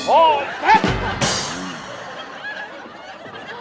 โอเค